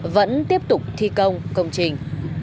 vẫn tiếp tục thi công công trình